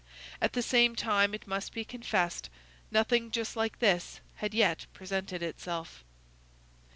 At the same time, it must be confessed, nothing just like this had yet presented itself.